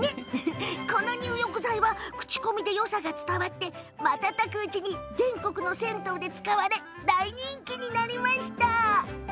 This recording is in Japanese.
この入浴剤は口コミでよさが伝わり瞬く間に全国の銭湯で使われ大人気になったんです。